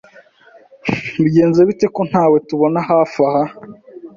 Bigenze bite ko ntawe tubona hafi aha